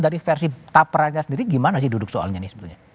tapi tapra nya sendiri gimana sih duduk soalnya nih sebetulnya